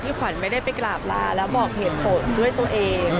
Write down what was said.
ขวัญไม่ได้ไปกราบลาแล้วบอกเหตุผลด้วยตัวเอง